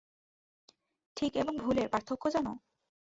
ঠিক এবং ভুলের পার্থক্য জানো?